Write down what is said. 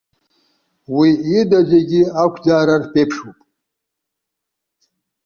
Уи ида зегьы ақәӡаара рԥеиԥшуп.